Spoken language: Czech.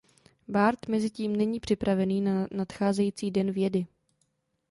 Bart mezitím není připravený na nadcházející Den vědy.